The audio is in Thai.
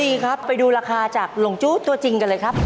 ดีครับไปดูราคาจากหลงจู้ตัวจริงกันเลยครับ